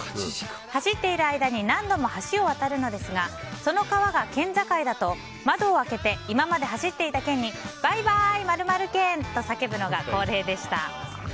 走っている間に何度も橋を渡るのですがその川が県境だと窓を開けて今まで走っていた県にバイバイ！